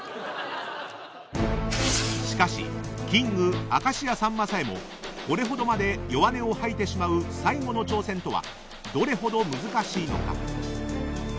［しかしキング明石家さんまさえもこれほどまで弱音を吐いてしまう最後の挑戦とはどれほど難しいのか］